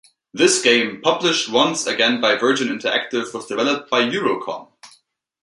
This game, published once again by Virgin Interactive, was developed by Eurocom.